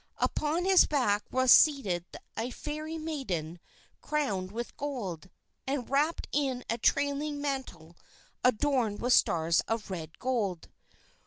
Upon his back was seated a Fairy Maiden crowned with gold, and wrapped in a trailing mantle adorned with stars of red gold.